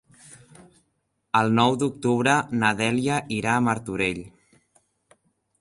El nou d'octubre na Dèlia irà a Martorell.